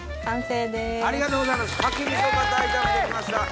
完成です。